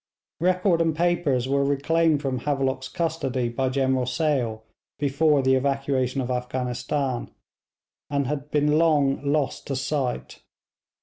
Record and papers were reclaimed from Havelock's custody by General Sale before the evacuation of Afghanistan, and had been long lost to sight.